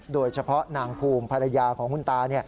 โดยเฉพาะนางภูมิภรรยาของคุณตา